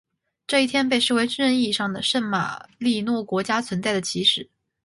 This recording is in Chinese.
这一天被视为真正意义上的圣马力诺国家存在的起始。